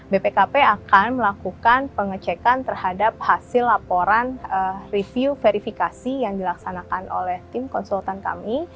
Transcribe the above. bpkp akan melakukan pengecekan terhadap hasil laporan review verifikasi yang dilaksanakan oleh tim konsultan kami